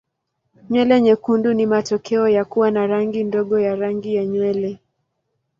Nywele nyekundu ni matokeo ya kuwa na rangi ndogo ya rangi ya nywele.